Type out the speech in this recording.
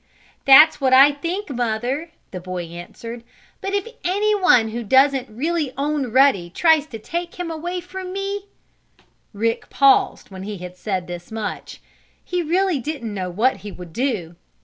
"That's what I think, Mother," the boy answered. "But if anyone who doesn't really own Ruddy tries to take him away from me " Rick paused when he had said this much. He really didn't know what he would do.